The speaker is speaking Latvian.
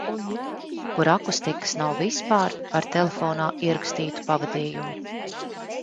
Kur akustikas nav vispār ar telefonā ierakstītu pavadījumu.